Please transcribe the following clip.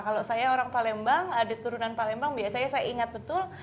kalau saya orang palembang ada turunan palembang biasanya saya ingat betul